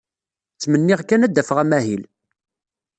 Ttmenniɣ kan ad d-afeɣ amahil.